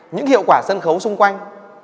những hiệu quả sân khấu xung quanh